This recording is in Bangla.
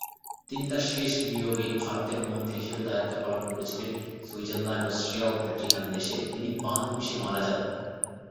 তিনি তার শেষ নিয়োগে ভারতের মন্ত্রী হিসাবে দায়িত্ব পালন করেছিলেন সুইজারল্যান্ড, অস্ট্রিয়া ও ভ্যাটিকান দেশে; তিনি বার্ন অফিসে মারা যান।